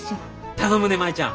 頼むね舞ちゃん。